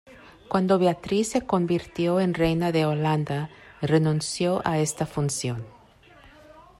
Cuando Beatriz se convirtió en reina de Holanda, renunció a esta función.